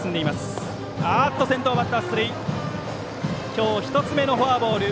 今日１つ目のフォアボール。